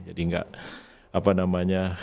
jadi tidak apa namanya